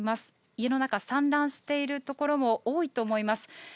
家の中、散乱している所も多いと思います。